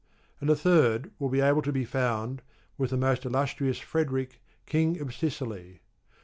And the third will be able to be found with the most illustrious Frederic, King of Sicily.